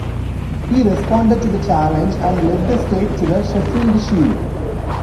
He responded to the challenge and led the state to the Sheffield Shield.